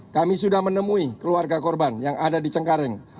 kami sudah menemui keluarga korban yang ada di cengkareng